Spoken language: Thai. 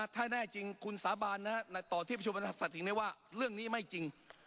ถ้าแน่จริงคุณสาบานต่อที่ประชุมบริษัทถึงได้ว่าเรื่องนี้ไม่จริง